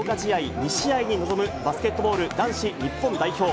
２試合に臨む、バスケットボール男子日本代表。